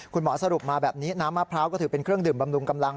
คุณหมอสรุปมาแบบนี้น้ำมะพร้าวก็ถือเป็นเครื่องดื่มบำรุงกำลัง